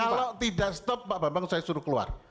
kalau tidak stop pak bambang saya suruh keluar